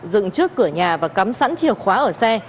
dựng trước cửa nhà và cắm sẵn chìa khóa ở xe